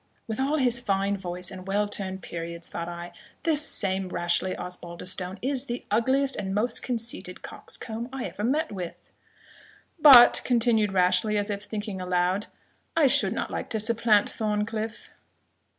"With all his fine voice, and well turned periods," thought I, "this same Rashleigh Osbaldistone is the ugliest and most conceited coxcomb I ever met with!" "But," continued Rashleigh, as if thinking aloud, "I should not like to supplant Thorncliff."